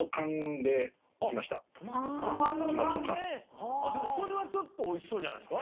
でもそれはちょっとおいしそうじゃないですか？